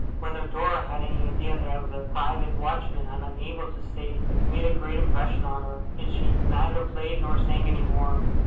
Whether Dora had any idea that I was a Private Watchman, I am unable to say; but it made a great impression on her, and she neither played nor sang any more.